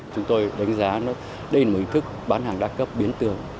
chúng tôi đánh giá đây là một ý thức bán hàng đa cấp biến tường